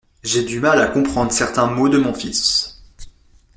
J'ai du mal à comprendre certains mots de mon fils.